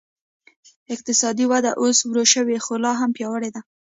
اقتصادي وده اوس ورو شوې خو لا هم پیاوړې ده.